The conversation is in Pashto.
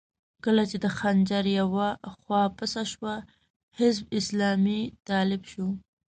کله چې د خنجر يوه خوا پڅه شوه، حزب اسلامي طالب شو.